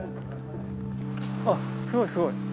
あっすごいすごい。